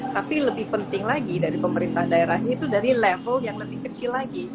tapi lebih penting lagi dari pemerintah daerahnya itu dari level yang lebih kecil lagi